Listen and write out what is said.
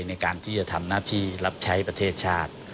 ในการที่จะทำหน้าที่รับใช้ประเทศชาติ